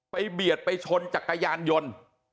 ไปเบียดไปชนจากกายานยนต์